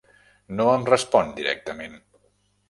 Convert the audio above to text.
No em respon directament.